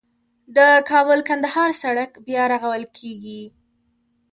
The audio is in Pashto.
د کابل - کندهار سړک بیا رغول کیږي